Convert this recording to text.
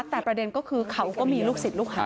แต่ประเด็นก็คือเขาก็มีลูกศิษย์ลูกหา